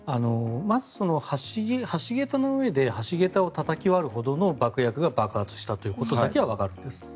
まず橋桁の上で橋桁をたたき割るほどの爆薬が爆発したということだけはわかっているんです。